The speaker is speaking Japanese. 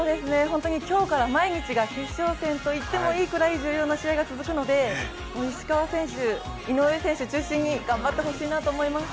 本当に今日から毎日が決勝戦と言ってもいいぐらい重要な試合が続くので、石川選手、井上選手中心に頑張ってほしいなと思います。